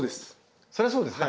そりゃそうですね